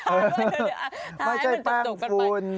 ทาให้มันจบจบกันไปไม่ใช่แป้งฝุ่น